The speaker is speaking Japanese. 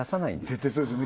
絶対そうですよね